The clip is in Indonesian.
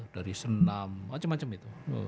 dari senam macam macam itu